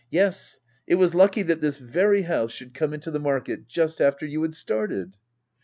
Yes, it was lucky that this very house should come into the market, just after you had started.